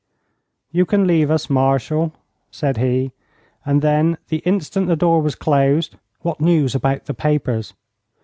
'You can leave us, Marshal,' said he, and then, the instant the door was closed: 'What news about the papers?'